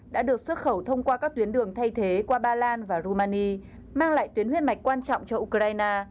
đã được xuất khẩu thông qua các tuyến đường thay thế qua ba lan và rumani mang lại tuyến huyết mạch quan trọng cho ukraine